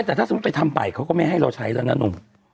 แต่ถ้าสมมุติไปทำไปเขาก็ไม่ให้เราใช้แล้วนะหนุ่ม